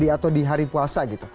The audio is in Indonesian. atau di hari puasa gitu